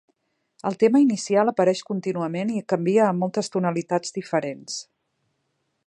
El tema inicial apareix contínuament i canvia a moltes tonalitats diferents.